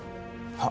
あっ！